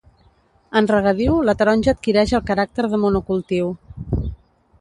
En regadiu la taronja adquireix el caràcter de monocultiu.